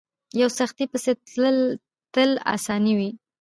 په سختۍ پسې تل اساني وي.